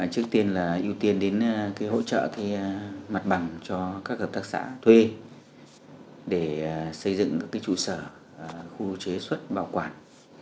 trước tiên là ưu tiên đến hỗ trợ mặt bằng cho các hợp tác xã thuê để xây dựng các trụ sở khu chế xuất bảo quản